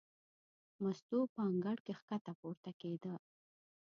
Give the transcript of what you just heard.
مستو په انګړ کې ښکته پورته کېده.